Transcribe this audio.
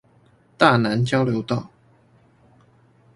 大湳交流道